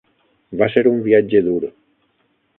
Va ser un viatge dur.